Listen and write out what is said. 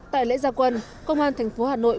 tại lễ gia quân công an thành phố hà nội